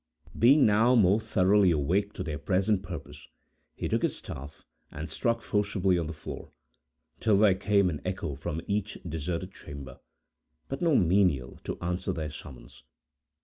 Being now more thoroughly awake to their present purpose, he took his staff, and struck forcibly on the floor, till there came an echo from each deserted chamber, but no menial, to answer their summons.